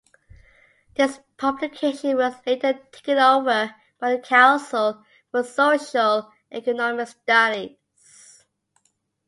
This publication was later taken over by The Council for Social and Economic Studies.